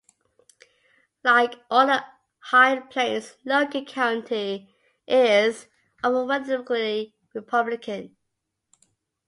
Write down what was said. Like all the High Plains, Logan County is overwhelmingly Republican.